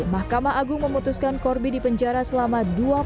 mahkamah agung memutuskan corbi dipenjara selama dua tahun